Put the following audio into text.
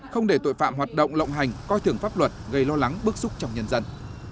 không để tội phạm hoạt động lộng hành coi thưởng pháp luật gây lo lắng bức xúc trong nhân dân